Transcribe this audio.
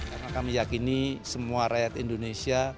karena kami yakini semua rakyat indonesia